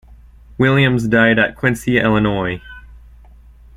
Williams died at Quincy, Illinois.